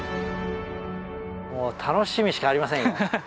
もう楽しみしかありませんよ。